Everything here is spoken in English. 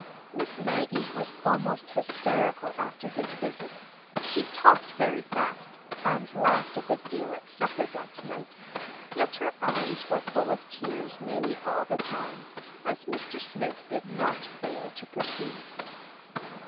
Miss Maggie was almost hysterical after his visit. She talked very fast and laughed a good deal at supper that night; yet her eyes were full of tears nearly all the time, as Mr. Smith did not fail to perceive.